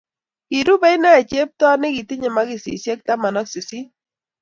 Kirube inne chepto ne kitinye makishe taman ak sisit